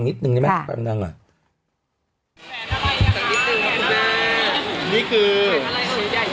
อันนี้คือวงใหญ่มากมันแหละ